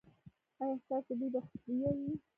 ایا ستاسو بوی به خوشبويه وي؟